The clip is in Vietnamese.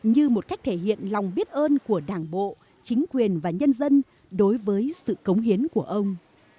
như một cách thể hiện lòng biết ơn của đảng bộ chính quyền và nhân dân đối với sự cống hiến của ông